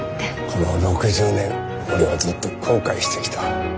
この６０年俺はずっと後悔してきた。